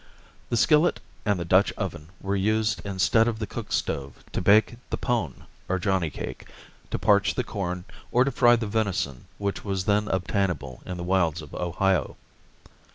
The skillet and the Dutch oven were used instead of the cook stove to bake the pone or johnny cake, to parch the corn, or to fry the venison which was then obtainable in the wilds of Ohio.